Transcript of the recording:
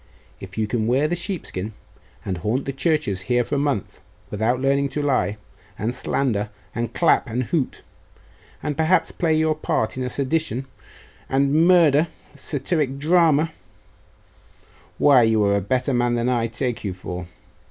If you can wear the sheepskin, and haunt the churches here for a month, without learning to lie, and slander, and clap, and hoot, and perhaps play your part in a sedition and murder satyric drama why, you are a better man than I take you for.